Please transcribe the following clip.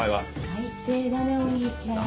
最低だねお兄ちゃん。